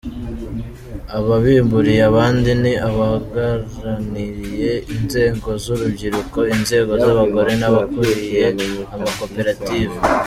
Ababimburiye abandi ni abahagarariye inzego z’urubyiruko, inzego z’abagore n’abakuriye amakoperative.